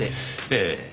ええ。